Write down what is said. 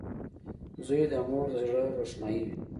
• زوی د مور د زړۀ روښنایي وي.